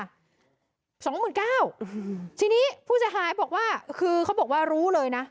สองหมื่นเก้าทีนี้ผู้เสียหายบอกว่าคือเขาบอกว่ารู้เลยนะ